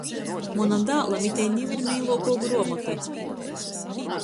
Munam dālam itei niu ir meiluokuo gruomota.